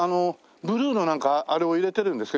ブルーのなんかあれを入れてるんですか？